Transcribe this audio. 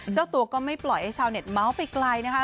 เจ้าตัวก็ไม่ปล่อยให้ชาวเน็ตเมาส์ไปไกลนะคะ